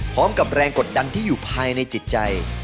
พร้อมกับแรงกดดันที่อยู่ภายในจิตใจ